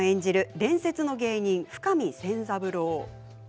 伝説の芸人深見千三郎。